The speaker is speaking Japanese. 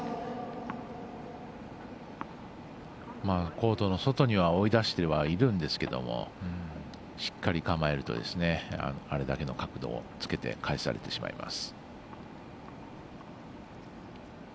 コートの外には追い出してはいるんですけどしっかり構えるとあれだけの角度をつけて返されてしまいます。